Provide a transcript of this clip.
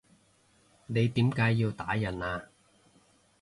你點解要打人啊？